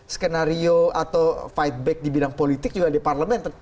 skenario atau fight back di bidang politik juga di parlemen